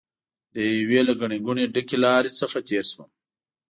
د یوې له ګڼې ګوڼې ډکې لارې څخه تېر شوم.